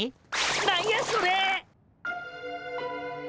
何やそれ！